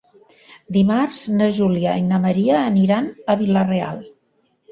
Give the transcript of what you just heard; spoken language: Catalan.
Dimarts na Júlia i na Maria aniran a Vila-real.